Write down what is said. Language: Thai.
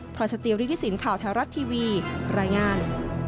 พรสติวริทศิลป์ข่าวแท้รัฐทีวีรายงาน